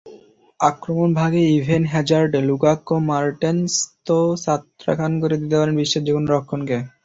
আক্রমণভাগে Eden Hazard, Lukaku, মার্টেনসতো ছত্রখান করে দিতে পারেন বিশ্বের যেকোনো রক্ষণকে।